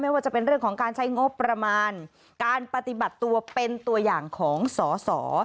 ว่าจะเป็นเรื่องของการใช้งบประมาณการปฏิบัติตัวเป็นตัวอย่างของสอสอ